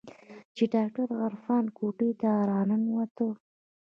چې ډاکتر عرفان کوټې ته راننوت.